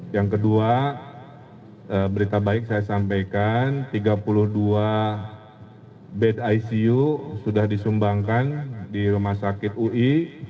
yang kedua berita baik saya sampaikan tiga puluh dua bed icu sudah disumbangkan di rumah sakit ui